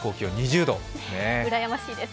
うらやましいです。